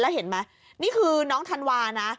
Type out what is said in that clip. แล้วเห็นไหมนี่คือน้องธันวานะ